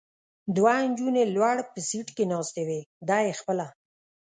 دوه نجونې لوړ په سېټ کې ناستې وې، دی خپله.